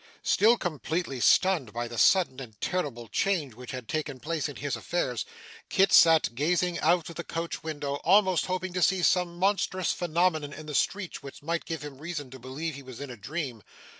Still completely stunned by the sudden and terrible change which had taken place in his affairs, Kit sat gazing out of the coach window, almost hoping to see some monstrous phenomenon in the streets which might give him reason to believe he was in a dream.